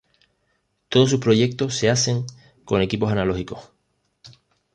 Todos sus proyectos se hacen con equipos analógicos.